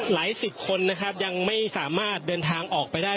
หลายสิบคนนะครับยังไม่สามารถเดินทางออกไปได้